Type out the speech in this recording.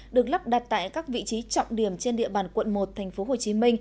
được lắp đặt tại các vị trí trọng điểm trên địa bàn quận một tp hcm